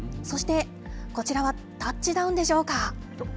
そして、こちらはタッチダウンでしょうか。